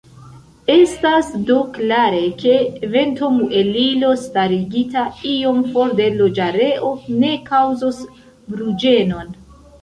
Estas do klare, ke ventomuelilo starigita iom for de loĝareo ne kaŭzos bruĝenon.